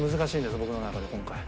僕の中で今回。